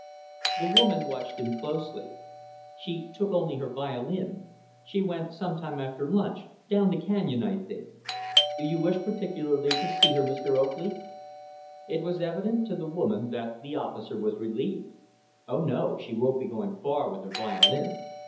The woman watched him closely. "She took only her violin. She went sometime after lunch down the canyon, I think. Do you wish particularly to see her, Mr. Oakley?" It was evident to the woman that the officer was relieved. "Oh, no; she wouldn't be going far with her violin.